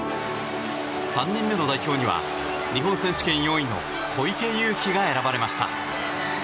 ３人目の代表には日本選手権４位の小池祐貴が選ばれました。